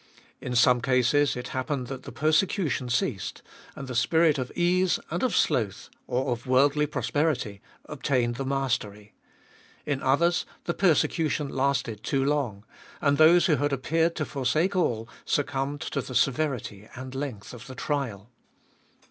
In some cases it happened that the persecution ceased, and the spirit of ease and of sloth, or of worldly prosperity, obtained the mastery. In others, the persecution lasted too long, and those who had appeared to forsake all, succumbed to the severity and length of the trial.